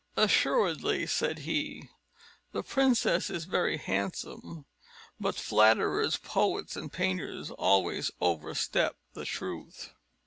"Assuredly," said he, "the princess is very handsome; but flatterers, poets, and painters always overstep the truth.